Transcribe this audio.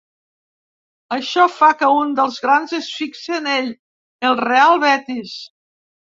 Això fa que un dels grans es fixe en ell, el Real Betis.